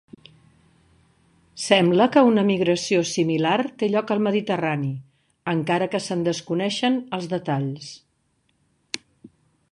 Sembla que una migració similar té lloc al Mediterrani, encara que se'n desconeixen els detalls.